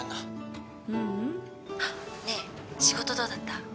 ううん。ねえ仕事どうだった？